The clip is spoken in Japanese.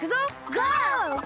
ゴー！